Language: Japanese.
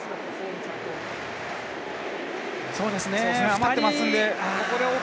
余ってますんで。